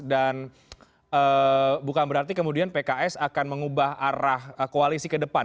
dan bukan berarti kemudian pks akan mengubah arah koalisi ke depan